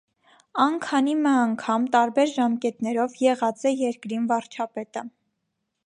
Ան քանի մը անգամ, տարբեր ժամկէտներով, եղած է երկրին վարչապետը։